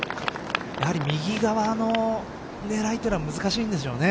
右側の狙いというのは難しいんでしょうね。